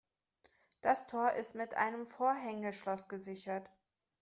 Das Tor ist mit einem Vorhängeschloss gesichert.